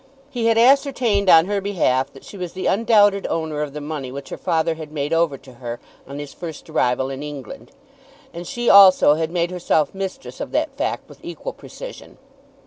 He had ascertained on her behalf that she was the undoubted owner of the money which her father had made over to her on his first arrival in England, and she also had made herself mistress of that fact with equal precision.